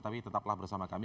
tapi tetaplah bersama kami